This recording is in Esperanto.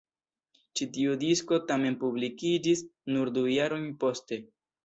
Ĉi tiu disko tamen publikiĝis nur du jarojn poste.